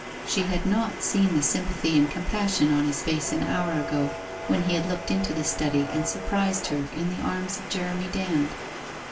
She had not seen the sympathy and compassion on his face an hour ago, when he had looked into the study and surprised her in the arms of Jeremy Dand.